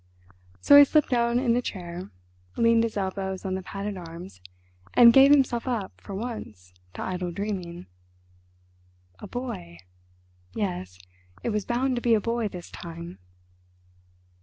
So he slipped down in the chair, leaned his elbows on the padded arms and gave himself up, for once, to idle dreaming. "A boy? Yes, it was bound to be a boy this time...."